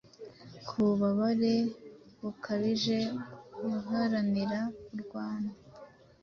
Mububabare bukabije guharanira, kurwana.